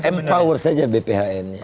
empower saja bphn nya